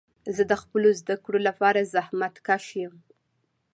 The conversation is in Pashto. زه د خپلو زده کړو لپاره زحمت کښ یم.